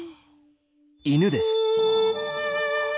犬です。